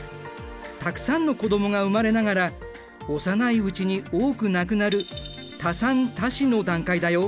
たくさんの子どもが生まれながら幼いうちに多く亡くなる多産多死の段階だよ。